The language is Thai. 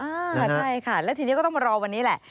ใช่ค่ะแล้วทีนี้ก็ต้องมารอวันนี้แหละ